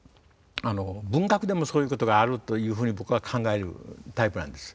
文学でもそういうことがあるというふうに僕は考えるタイプなんです。